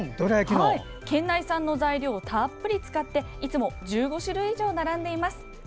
県内産の材料をたっぷり使っていつも１５種類以上が並んでいます。